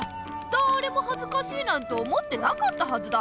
だれもはずかしいなんて思ってなかったはずだ！